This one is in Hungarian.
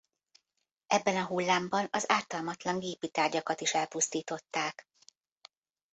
Ebben a hullámban az ártalmatlan gépi tárgyakat is elpusztították.